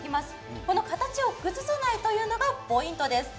この形を崩さないというのがポイントです。